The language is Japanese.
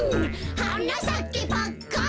「はなさけパッカン」